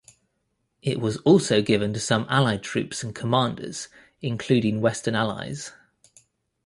It was also given to some allied troops and commanders, including western allies.